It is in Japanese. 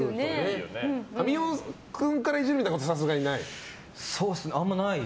神尾君からイジるみたいなことはあんまりない？